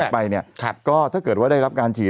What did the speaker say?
ไปเนี่ยก็ถ้าเกิดว่าได้รับการฉีด